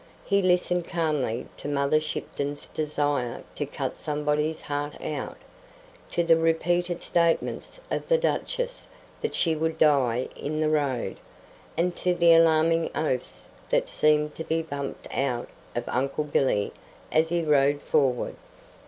He listened calmly to Mother Shipton's desire to cut somebody's heart out, to the repeated statements of the Duchess that she would die in the road, and to the alarming oaths that seemed to be bumped out of Uncle Billy as he rode forward.